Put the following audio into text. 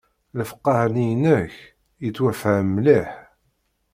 Lefqeε-nni-inek yettwfham mliḥ...